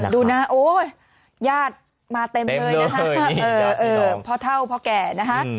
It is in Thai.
ดูนะโอ้ยยาดมาเต็มเลยนะฮะพอเท่าพอแก่นะฮะ